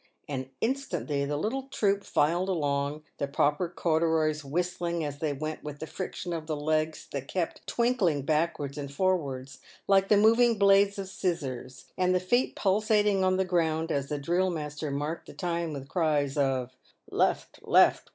and instantly the little troop filed along, the pauper corduroys whistling as they went with the friction of the legs that kept twinkling backwards and forwards, like the moving blades of scissors, and the feet pulsating on the ground, as the drill master marked the time with cries of " Left, left